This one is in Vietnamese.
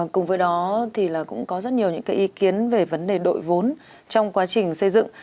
cùng với đó thì cũng có rất nhiều những cái ý kiến về vấn đề đội vốn trong quá trình xây dựng